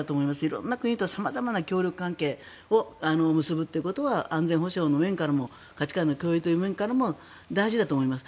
色んな国と様々な極力関係を結ぶということは安全保障の面からも価値観の共有という面からも大事だと思います。